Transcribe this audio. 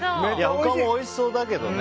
他もおいしそうだけどね